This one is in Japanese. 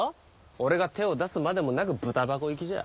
俺が手を出すまでもなくブタ箱行きじゃ。